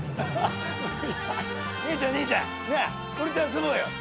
姉ちゃん姉ちゃんなあ俺と遊ぼうよ。